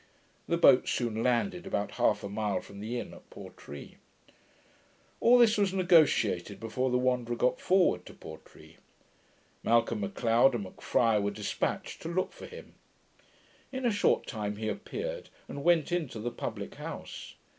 The boat soon landed about half a mile from the inn at Portree. All this was negotiated before the Wanderer got forward to Portree. Malcolm M'Leod, and M'Friar, were dispatched to look for him. In a short time he appeared, and went into the publick house.